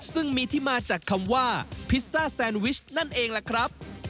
ซึ่งมีที่มาจากคำว่าพิซซ่าแซนวิชนั่นเองล่ะครับ